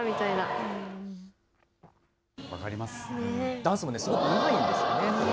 ダンスもすごくうまいんですよね。